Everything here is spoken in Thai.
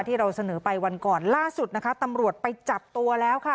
ที่เราเสนอไปวันก่อนล่าสุดนะคะตำรวจไปจับตัวแล้วค่ะ